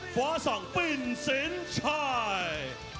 ฟ้าสั่งปิ่นสินชาย